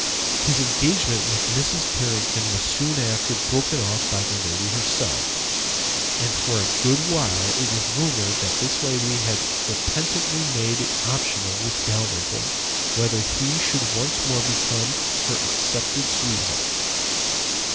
His engagement with Mrs. Carrington was soon afterward broken off by the lady herself, and for a good while it was rumored that this lady had repentantly made it optional with Dalrymple whether he should once more become her accepted sweetheart.